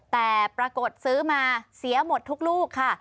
แต่ปรากฏซื้อมาเสียหมดทุกลูกค่ะ